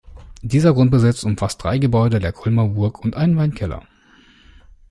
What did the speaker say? Dieser Grundbesitz umfasst drei Gebäude der Kulmer Burg und einen Weinkeller.